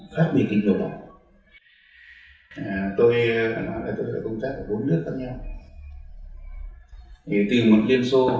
cái nữa thì nó cũng hơn